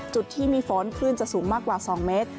จุดที่มีฝนคลื่นจะสูงมากกว่า๒เมตร